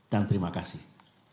dan terima kasih